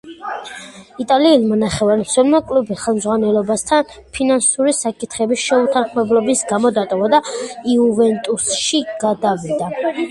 იტალიელმა ნახევარმცველმა კლუბი ხელმძღვანელობასთან ფინანსური საკითხების შეუთანხმებლობის გამო დატოვა და იუვენტუსში გადავიდა.